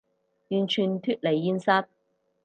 完全脫離現實